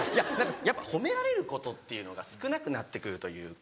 やっぱ褒められることっていうのが少なくなってくるというか。